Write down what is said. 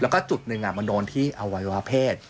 แล้วก็จุดหนึ่งมันโดนที่อวัยวะเพศ